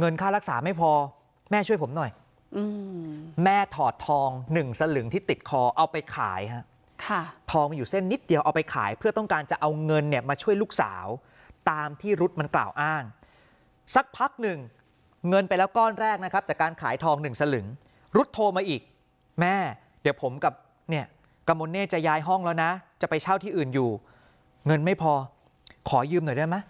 เงินค่ารักษาไม่พอแม่ช่วยผมหน่อยอืมแม่ถอดทองหนึ่งสลึงที่ติดคอเอาไปขายค่ะค่ะทองอยู่เส้นนิดเดียวเอาไปขายเพื่อต้องการจะเอาเงินเนี่ยมาช่วยลูกสาวตามที่รุธมันกล่าวอ้างสักพักหนึ่งเงินไปแล้วก้อนแรกนะครับจากการขายทองหนึ่งสลึงรุธโทรมาอีกแม่เดี๋ยวผมกับเนี่ยกาโมเน่จะยายห้องแล้วนะจะไปเช